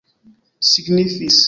signifis